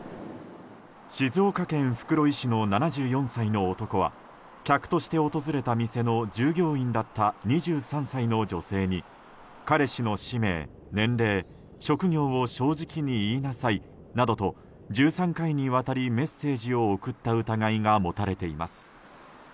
静岡県袋井市の７４歳の男は客として訪れた店の従業員だった２３歳の女性に彼氏の氏名、年齢、職業を正直に言いなさいなどと１３回にわたりメッセージを送った疑いが持たれています。